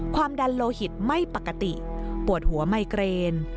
ความดันโลหิตไม่ปกติปวดหัวไมเกรน